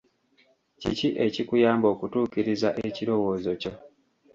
Kiki ekikuyamba okutuukiriza ekirowoozo kyo?